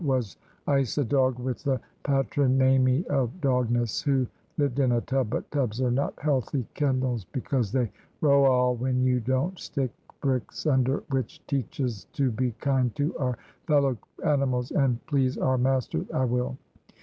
was Ice a dog with the pattrynamie of dognes who lived in a tub but; tubs are not helthy kenels because, they Roal when you dont stick brix under, which teechus to be kind `to our' fello animals and pleze Our masters I will.